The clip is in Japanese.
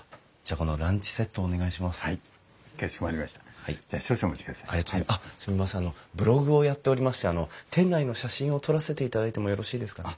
あのブログをやっておりまして店内の写真を撮らせていただいてもよろしいですかね？